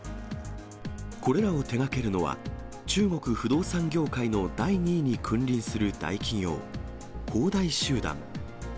これらを手がけるのは、中国不動産業界の第２位に君臨する大企業、恒大集団。